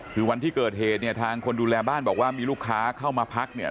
คือวันที่เกิดเหตุเนี่ยทางคนดูแลบ้านบอกว่ามีลูกค้าเข้ามาพักเนี่ย